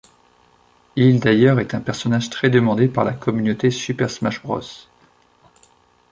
Il d’ailleurs est un personnage très demandé par la communauté Super Smash Bros.